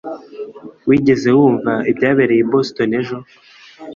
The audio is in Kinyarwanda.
Wigeze wumva ibyabereye i Boston ejo